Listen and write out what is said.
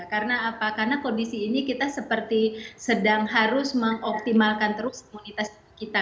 karena apa karena kondisi ini kita seperti sedang harus mengoptimalkan terus imunitas kita